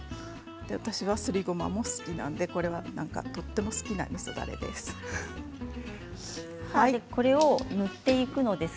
私は、すりごまも好きなのでとても好きなみそだれです。